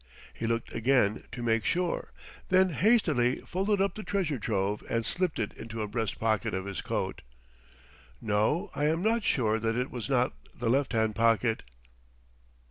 He looked again, to make sure; then hastily folded up the treasure trove and slipped it into a breast pocket of his coat. No; I am not sure that it was not the left hand pocket.